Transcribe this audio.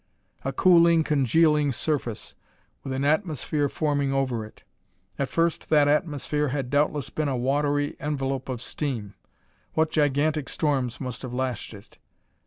A cooling, congealing surface, with an atmosphere forming over it. At first that atmosphere had doubtless been a watery, envelope of steam. What gigantic storms must have lashed it!